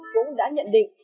cũng đã nhận định